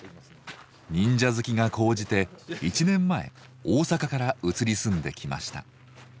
忍者好きが高じて１年前大阪から移り住んできました。